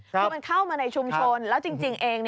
คือมันเข้ามาในชุมชนแล้วจริงเอง